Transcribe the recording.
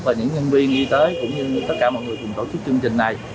và những nhân viên y tế cũng như tất cả mọi người cùng tổ chức chương trình này